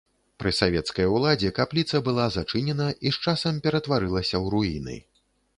Пры савецкай уладзе капліца была зачынена і з часам ператварылася ў руіны.